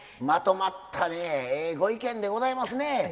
まとまったねええご意見でございますね。